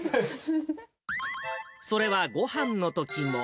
それはごはんのときも。